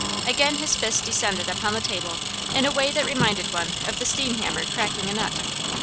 Again his fist descended upon the table in a way that reminded one of the steam hammer cracking a nut.